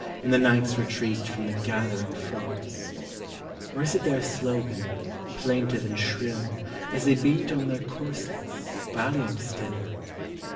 In the night's retreat from the gathering frost; (Or is it their slogan, plaintive and shrill. As they beat on their corselets, valiant still?)